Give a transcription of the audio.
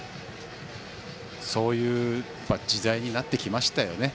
そういう時代になってきましたよね。